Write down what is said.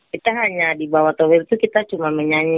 kita hanya di bawah tower itu kita cuma menyanyi